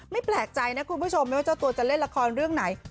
แปลกใจนะคุณผู้ชมไม่ว่าเจ้าตัวจะเล่นละครเรื่องไหน